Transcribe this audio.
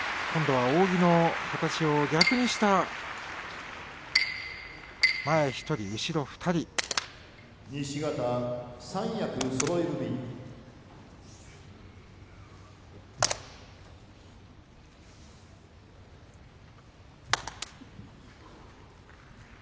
今度は扇の形を逆にした前１人、後ろ２人です。